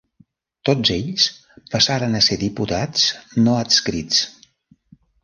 Tots ells passaren a ser diputats no adscrits.